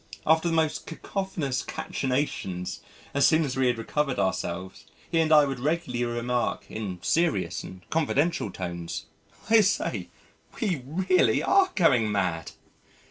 After the most cacophonous cachinnations as soon as we had recovered ourselves he or I would regularly remark in serious and confidential tones, "I say we really are going mad."